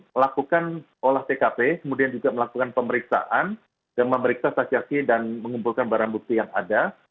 melakukan olah tkp kemudian juga melakukan pemeriksaan dan memeriksa saksi saksi dan mengumpulkan barang bukti yang ada